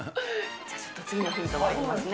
じゃあちょっと次のヒントにいきますね。